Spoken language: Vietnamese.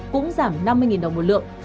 cũng giảm năm mươi đồng một lượng